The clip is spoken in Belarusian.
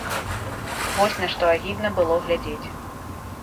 Вось на што агідна было глядзець.